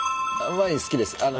ワイン好きです。